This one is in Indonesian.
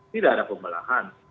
tidak ada pembelahan